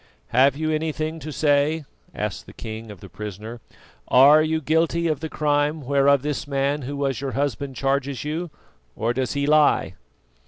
"Have you anything to say?" asked the king of the prisoner. "Are you guilty of the crime whereof this man who was your husband charges you, or does he lie?"